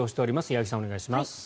八木さん、お願いします。